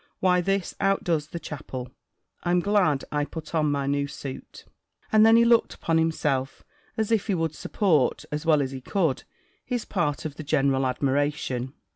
Why this outdoes the chapel! I'm glad I put on my new suit!" And then he looked upon himself, as if he would support, as well as he could, his part of the general admiration.